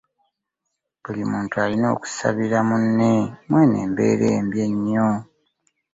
Buli muntu alina okusabira mune mweno embeera embi ennyo.